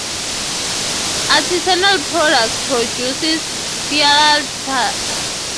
Artisanal products produces Faial da Terra include basket-weaving, embroidery, needlework and artefacts in wood.